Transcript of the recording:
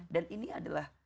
dan ini adalah